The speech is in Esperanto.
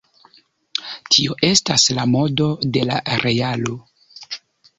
Tio estas la modo de la realo.